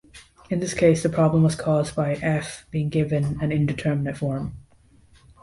In this case the problem was caused by "f" being given an indeterminate form.